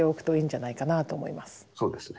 そうですね。